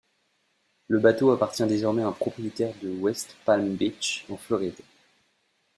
Le bateau appartient désormais à un propriétaire de West Palm Beach en Floride.